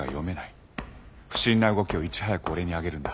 不審な動きをいち早く俺に上げるんだ。